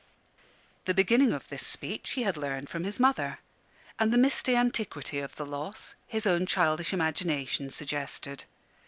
The beginning of this speech he had learned from his mother; and the misty antiquity of the loss his own childish imagination suggested.